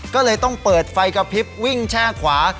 ก็เลยต้องเปิดไฟกระพริบวิ่งแช่ขวา